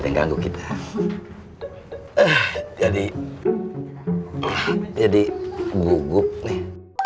enggak ganggu kita jadi jadi gugup nih